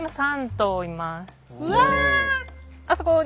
うわ。